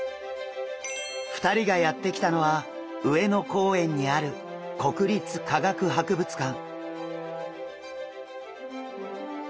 ２人がやって来たのは上野公園にあるここで今特別展